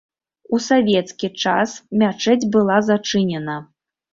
У савецкі час мячэць была зачынена.